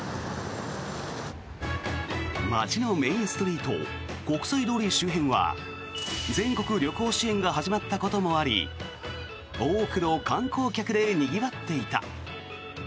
街のメインストリート国際通り周辺は全国旅行支援が始まったこともあり多くの観光客でにぎわっていた。